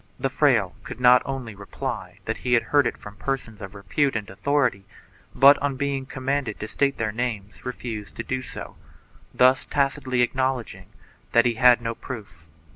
The fraile could only reply that he had heard it from persons of repute and authority, but, on being commanded to state their names, refused to do so, thus tacitly acknowledging that he had no proof.